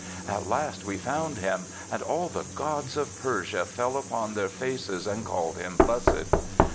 At last we found him, and all the gods of Persia fell upon their faces and called him blessed.